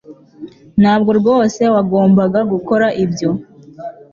Ntabwo rwose wagombaga gukora ibyo